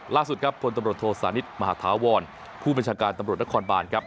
ล่าสุดครับพลตำรวจโทษานิทมหาธาวรผู้บัญชาการตำรวจนครบานครับ